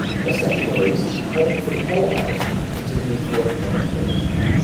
A second release, "Heading for the Poorhouse", continued the economic theme.